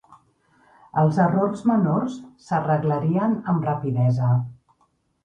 Els errors menors s'arreglarien amb rapidesa.